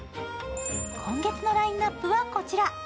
今月のラインナップはこちら。